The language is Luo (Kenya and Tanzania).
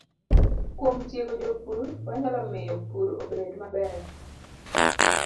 Kuom tiego jopur, wanyalo miyo pur obed maber